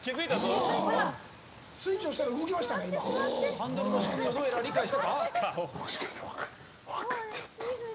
ハンドルの仕組みをどうやら理解したか？